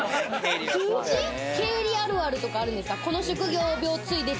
経理あるあるとかあるんですか？